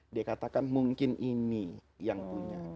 dia katakan mungkin ini yang punya